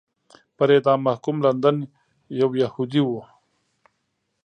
پر اعدام محکوم لندن یو یهودی و.